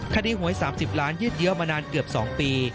คดีหวย๓๐ล้านยืดเยอะมานานเกือบ๒ปี